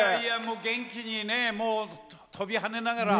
元気に跳びはねながら。